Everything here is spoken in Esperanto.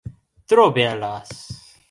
Tro belas